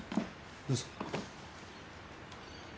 どうぞ。